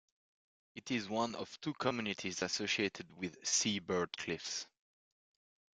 It is one of two communities associated with sea-bird cliffs.